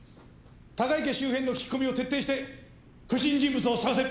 高井家周辺の聞き込みを徹底して不審人物を捜せ。